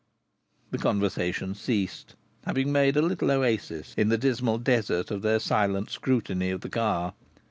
The conversation ceased, having made a little oasis in the dismal desert of their silent scrutiny of the car.